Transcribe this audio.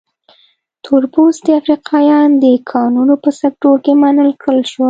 تور پوستي افریقایان د کانونو په سکتور کې منع کړل شول.